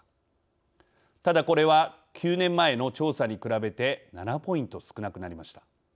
ただこれは９年前の調査に比べて７ポイント少なくなりました。